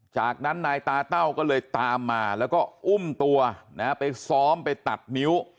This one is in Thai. จากนั้นนายตาเต้าก็เลยตามมาแล้วก็อุ้มตัวไปซ้อมไปตัดนิ้ว